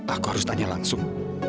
aku harus tanya langsung